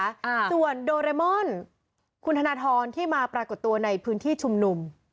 อ่าส่วนโดเรมอนคุณธนทรที่มาปรากฏตัวในพื้นที่ชุมนุม